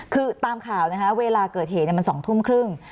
คือตามข่าวนะคะเวลาเกิดเหตุมัน๒ทุ่มครึ่ง